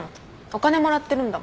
お金もらってるんだもん。